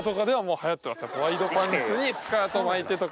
ワイドパンツにスカート巻いてとか。